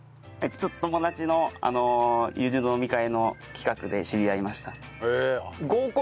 友達の友人の飲み会の企画で知り合いました。